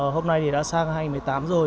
hôm nay thì đã sang hai nghìn một mươi tám rồi